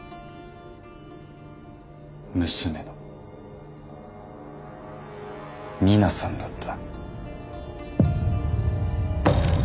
娘の己奈さんだった。